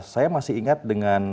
saya masih ingat dengan